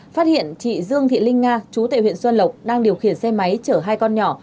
phát hiện chị dương thị linh nga chú tại huyện xuân lộc đang điều khiển xe máy chở hai con nhỏ